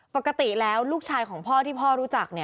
ปกติแล้วลูกชายของพ่อที่พ่อรู้จัก